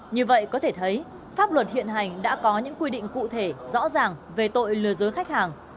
như vậy có thể thấy pháp luật hiện hành đã có những quy định cụ thể rõ ràng về tội lừa dối khách hàng